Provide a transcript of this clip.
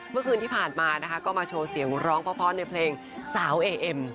เมื่อคืนที่ผ่านมานะคะก็มาโชว์เสียงร้องเพราะในเพลงสาวเอเอ็ม